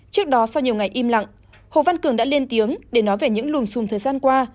trước đó sau nhiều ngày im lặng hồ văn cường đã lên tiếng để nói về những lùm xùm thời gian qua